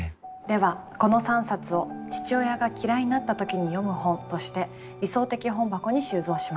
ではこの３冊を「父親が嫌いになった時に読む本」として理想的本箱に収蔵します。